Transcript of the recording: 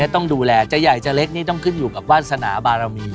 ต้องดูแลจะใหญ่จะเล็กนี่ต้องขึ้นอยู่กับวาสนาบารมี